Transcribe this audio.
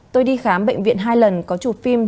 tôi đi khám bệnh viện hai lần có chụp phim